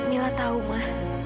mila tahu ma